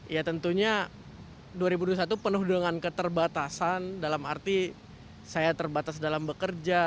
ya tentunya dua ribu dua puluh satu penuh dengan keterbatasan dalam arti saya terbatas dalam bekerja